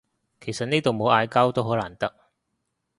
其實呢度冇嗌交都好難得